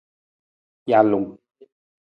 Jalung.